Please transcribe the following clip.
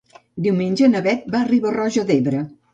Diumenge na Beth va a Riba-roja d'Ebre.